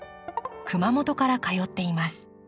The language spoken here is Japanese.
熊本から通っています。